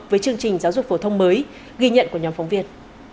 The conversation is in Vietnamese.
với chương trình giáo dục phổ thông mới ghi nhận của nhóm phóng viên